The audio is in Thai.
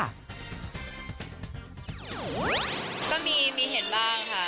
ก็มีเห็นบ้างค่ะ